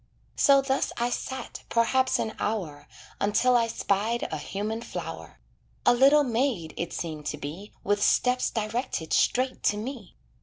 So thus I sat, perhaps an hour, Until I spied a human flower; A little maid it seemed to be With steps directed straight to me.